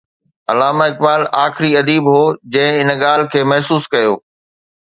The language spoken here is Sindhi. علامه اقبال آخري اديب هو جنهن ان ڳالهه کي محسوس ڪيو.